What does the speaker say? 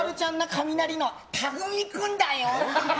カミナリのたくみ君だよ！